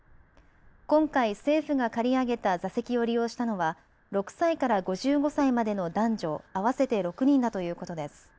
今回、政府が借り上げた座席を利用したのは６歳から５５歳までの男女合わせて６人だということです。